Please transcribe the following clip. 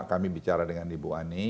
kami bicara dengan ibu ani